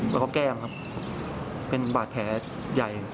แล้วก็แก้มครับเป็นบาดแผลใหญ่